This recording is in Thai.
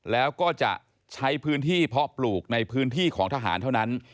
แล้วก็จะใช้พื้นที่เพาะปลูกในพื้นที่ของทหารเท่านั้น